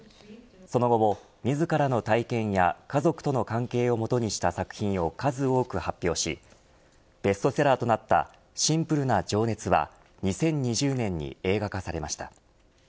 その後も自らの体験や家族との関係をもとにした作品を数多く発表しベストセラーとなったシンプルな情熱は２０２０年に映画化されました。